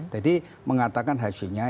jadi mengatakan hasilnya